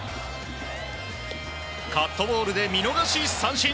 カットボールで見逃し三振。